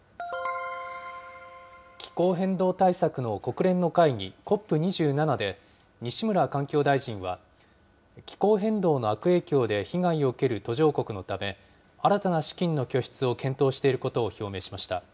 気候変動対策の国連の会議、ＣＯＰ２７で、西村環境大臣は、気候変動の悪影響で被害を受ける途上国のため、新たな資金の拠出を検討していることを表明しました。